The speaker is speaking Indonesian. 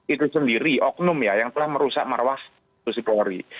itu sendiri oknum ya yang telah merusak marwah institusi polri